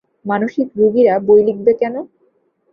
মানসিক রুগীরা বই লিখবে কেন?